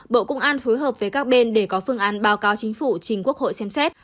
bộ công an phối hợp với các bên để có phương án báo cáo chính phủ trình quốc hội xem xét